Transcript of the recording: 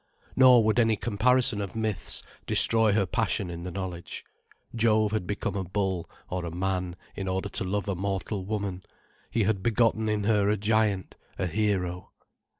Nor would any comparison of myths destroy her passion in the knowledge. Jove had become a bull, or a man, in order to love a mortal woman. He had begotten in her a giant, a hero.